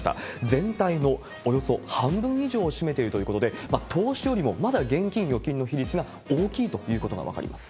全体のおよそ半分以上を占めているということで、投資よりもまだ現金、預金の比率が大きいということが分かります。